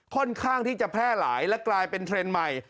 ค่อนข้างที่จะแพร่หลายและกลายเป็นเทรนด์ใหม่